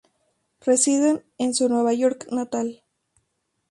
Residen en su Nueva York natal.